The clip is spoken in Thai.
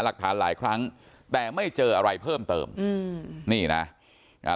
หลักฐานหลายครั้งแต่ไม่เจออะไรเพิ่มเติมอืมนี่นะอ่า